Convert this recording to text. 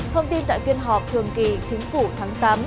thông tin tại phiên họp thường kỳ chính phủ tháng tám